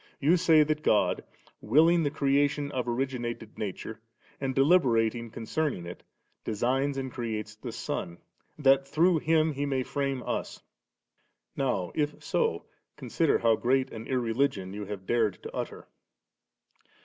You say that God, willing the creation of originated nature, and deliberating concerning it, designs and creates the Son, that through Him He may frame us; now, if 80, consider how great an inreligion* you have dared to utter.